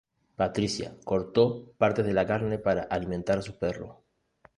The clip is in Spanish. Patricia cortó partes de la carne para alimentar a sus perros.